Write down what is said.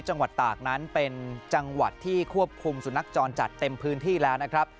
จังหวัดตากนั้นเป็นจังหวัดที่ควบคุมสุนัขจรจัดเต็มพื้นที่แล้วนะครับ